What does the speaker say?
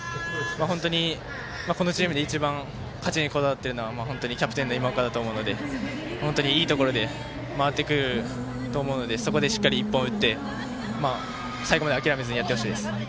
本当に、このチームで一番勝ちにこだわっているのはキャプテンの今岡だと思うのでいいところで回ってくると思うのでそこでしっかり１本、打って最後まで諦めずにやってほしいです。